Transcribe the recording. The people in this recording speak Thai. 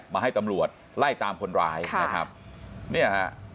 มาให้ตำรวจไล่ตามคนร้ายนะครับเนี่ยฮะ